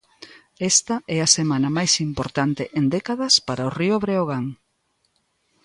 Esta é a semana máis importante en décadas para o Río Breogán.